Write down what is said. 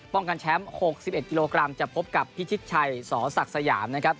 กันแชมป์๖๑กิโลกรัมจะพบกับพิชิตชัยสศักดิ์สยามนะครับ